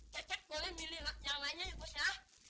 pecek boleh milih yang lainnya ya bu ya